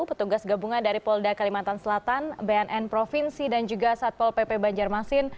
petugas gabungan dari polda kalimantan selatan bnn provinsi dan juga satpol pp banjarmasin